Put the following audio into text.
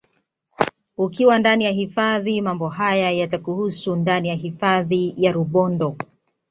Ukiwa ndani ya hifadhi mambo haya yatakuhusu ndani ya hifadhi ya Rubondo